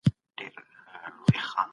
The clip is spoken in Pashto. بې رحمو ښکلو د عمرونو رنځور کړمه